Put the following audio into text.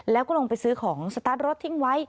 แล้วก็ลงไปซื้อของสตาร์ทรถทิ้งไว้